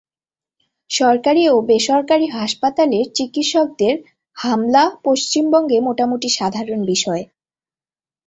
সরকারি ও বেসরকারি হাসপাতালের চিকিৎসকদের হামলা পশ্চিমবঙ্গে মোটামুটি সাধারণ বিষয়।